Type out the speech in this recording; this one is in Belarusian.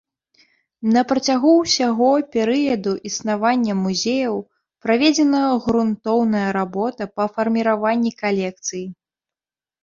На працягу ўсяго перыяду існавання музея праведзена грунтоўная работа па фарміраванні калекцый.